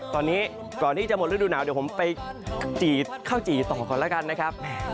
ตอนนี้ก่อนที่จะหมดฤดูหนาวเดี๋ยวผมไปจี่ข้าวจี่ต่อก่อนแล้วกันนะครับ